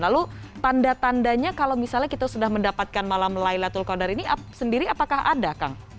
lalu tanda tandanya kalau misalnya kita sudah mendapatkan malam laylatul qadar ini sendiri apakah ada kang